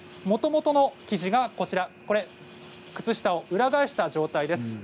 もともとの生地はこちら靴下を裏返した状態です。